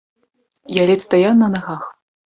Я ледзь стаяў на нагах.